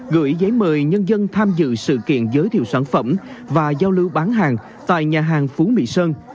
gửi giấy mời nhân dân tham dự sự kiện giới thiệu sản phẩm và giao lưu bán hàng tại nhà hàng phú mỹ sơn